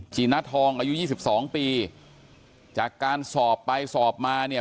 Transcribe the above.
จีนาทองอายุยี่สิบสองปีจากการสอบไปสอบมาเนี่ย